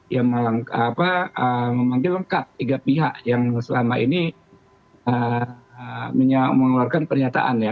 yang memanggil lengkap tiga pihak yang selama ini mengeluarkan pernyataan ya